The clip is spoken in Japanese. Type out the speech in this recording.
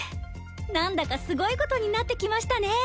なんだかすごいことになってきましたね。